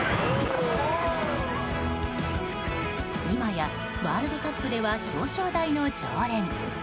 今やワールドカップでは表彰台の常連。